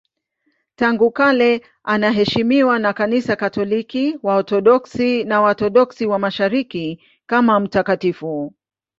Tangu kale anaheshimiwa na Kanisa Katoliki, Waorthodoksi na Waorthodoksi wa Mashariki kama mtakatifu.